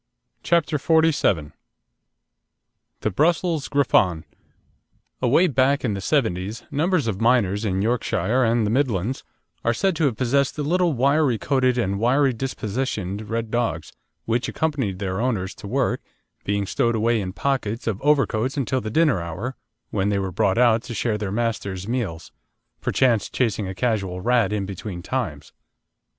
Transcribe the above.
CHAPTER XLVII THE BRUSSELS GRIFFON Away back in the 'seventies numbers of miners in Yorkshire and the Midlands are said to have possessed little wiry coated and wiry dispositioned red dogs, which accompanied their owners to work, being stowed away in pockets of overcoats until the dinner hour, when they were brought out to share their masters' meals, perchance chasing a casual rat in between times.